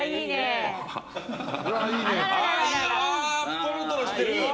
トロトロしてる！